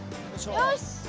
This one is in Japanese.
よし！